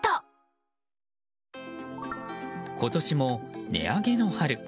今年も値上げの春。